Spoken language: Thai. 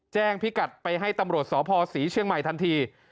พิกัดไปให้ตำรวจสพศรีเชียงใหม่ทันที